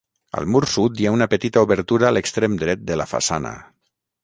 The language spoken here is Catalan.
Al mur sud hi ha una petita obertura a l'extrem dret de la façana.